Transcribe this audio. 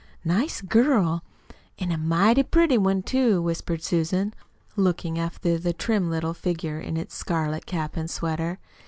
"Nice girl, an' a mighty pretty one, too," whispered Susan, looking after the trim little figure in its scarlet cap and sweater.